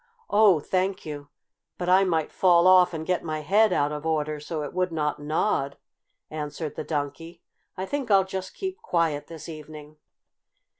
"Oh, thank you; but I might fall off and get my head out of order so it would not nod," answered the Donkey. "I think I'll just keep quiet this evening."